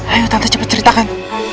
ayo tante cepet ceritakan